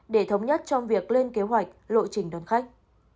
để thống nhất trong việc lên kế hoạch lộ trình đón khách